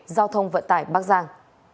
giao thông vận tải bắc giang